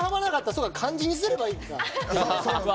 そういうば漢字にすればいいんか。